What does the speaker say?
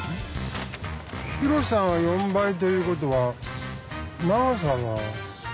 広さが４倍という事は長さは。